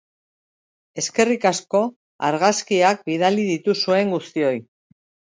Eskerrik asko argazkiak bidali dituzuen guztioi!